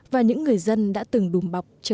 và những người dân đã từng đùm bọc chờ che họ